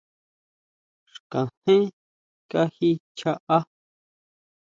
Xkajén kají chjaá.